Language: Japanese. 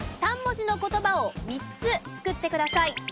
３文字の言葉を３つ作ってください。